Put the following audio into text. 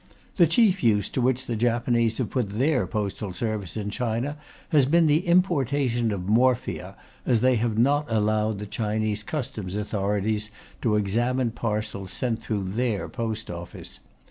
The chief use to which the Japanese have put their postal service in China has been the importation of morphia, as they have not allowed the Chinese Customs authorities to examine parcels sent through their Post Office.